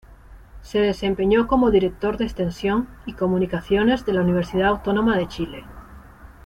Se desempeñó como Director de Extensión y Comunicaciones de la Universidad Autónoma de Chile.